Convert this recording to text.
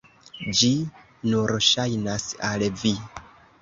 Ĝi nur ŝajnas al vi!